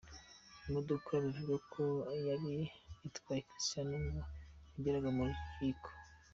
Imodoka bivugwa ko yari itwaye Cristiano ubwo yageraga ku rukiko.